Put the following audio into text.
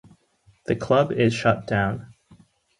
The club is shut down.